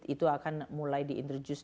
itu akan mulai di introduce